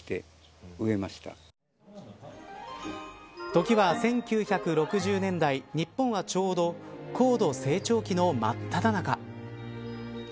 時は１９６０年代日本はちょうど高度成長期のまっただ中。